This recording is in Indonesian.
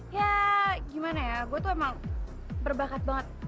ya gimana ya gue tuh emang berbakat banget